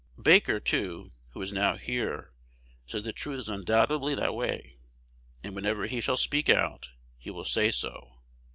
Baker, too, who is now here, says the truth is undoubtedly that way; and, whenever he shall speak out, he will say so.